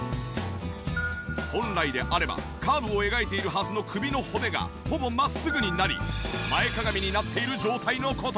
本来であればカーブを描いているはずの首の骨がほぼ真っすぐになり前かがみになっている状態の事。